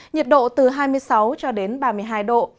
nhiệt độ từ hai mươi sáu cho đến ba mươi hai độ